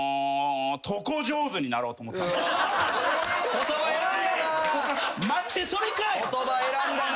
言葉選んだなぁ。